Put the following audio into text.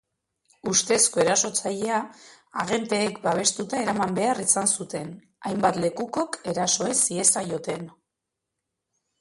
Ustezko erasotzailea agenteek babestuta eraman behar izan zuten hainbat lekukok eraso ez ziezaioten.